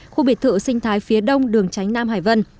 khu biệt thựa sinh thái phía đông đường tránh nam hải vân